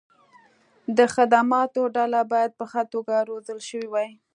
د خدماتو ډله باید په ښه توګه روزل شوې وي.